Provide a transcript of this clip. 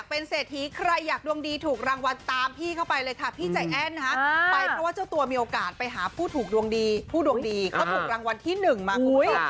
เขาถูกรางวัลที่๑มาคุณผู้ชาย